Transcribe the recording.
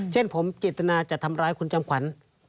เช่นผมเจตนาจะทำร้ายคุณจำขวัญ